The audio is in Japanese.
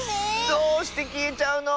どうしてきえちゃうの？